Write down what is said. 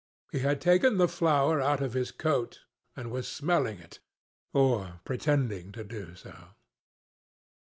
He had taken the flower out of his coat, and was smelling it, or pretending to do so.